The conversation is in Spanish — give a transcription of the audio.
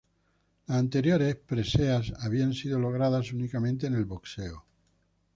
Las anteriores preseas habían sido logradas únicamente en el boxeo.